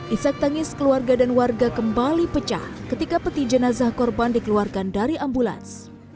isak tangis keluarga dan warga kembali pecah ketika peti jenazah korban dikeluarkan dari ambulans